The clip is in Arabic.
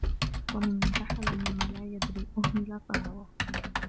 وَمَنْ انْتَحَلَ مِمَّا لَا يَدْرِي أُهْمِلَ فَهَوَى